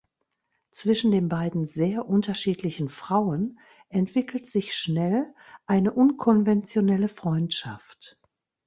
Zwischen den beiden sehr unterschiedlichen Frauen entwickelt sich schnell eine unkonventionelle Freundschaft.